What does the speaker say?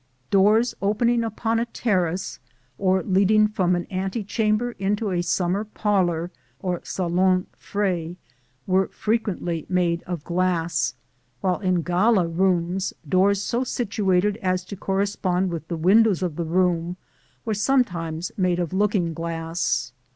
Doors opening upon a terrace, or leading from an antechamber into a summer parlor, or salon frais, were frequently made of glass; while in gala rooms, doors so situated as to correspond with the windows of the room were sometimes made of looking glass.